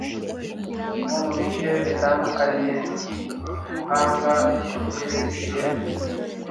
bo mu bice bitandukanye ubuhanga mu byerekeye